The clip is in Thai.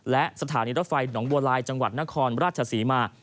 และสถานีรถไฟหนองบัวลายจังหวัดนครราชศรีมา